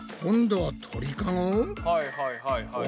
はいはいはいはい。